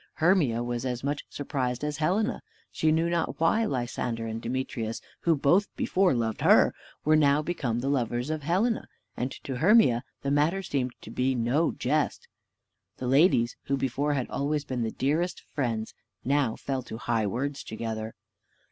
Hermia was as much surprised as Helena: she knew not why Lysander and Demetrius, who both before loved her, were now become the lovers of Helena; and to Hermia the matter seemed to be no jest. The ladies, who before had always been the dearest of friends, now fell to high words together.